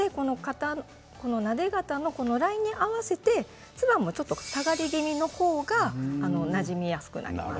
なで肩のラインに合わせてつばもちょっと下がり気味の方がなじみやすくなります。